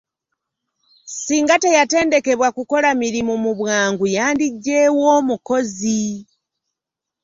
Singa teyatendekebwa kukola mirimu mu bwangu wandiggye wa omukozi ?